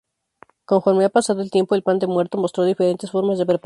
Conforme ha pasado el tiempo el Pan de Muerto mostró diferentes formas de preparación.